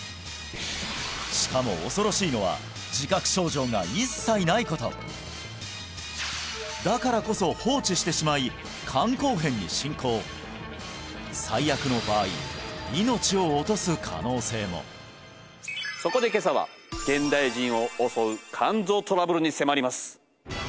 しかも恐ろしいのは自覚症状が一切ないことだからこそ放置してしまい肝硬変に進行可能性もそこで今朝は現代人を襲う肝臓トラブルに迫ります